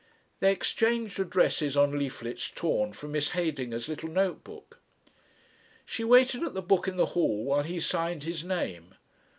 They exchanged addresses on leaflets torn from Miss Heydinger's little note book. She waited at the Book in the hall while he signed his name.